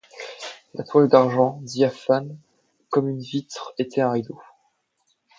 La toile d’argent, diaphane comme une vitre, était un rideau.